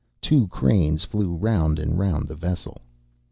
Two cranes flew round and round the vessel.